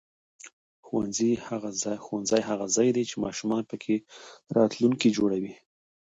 ښوونځی هغه ځای دی چې ماشومان پکې راتلونکی جوړوي